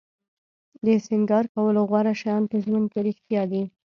د سینګار کولو غوره شیان په ژوند کې رښتیا دي.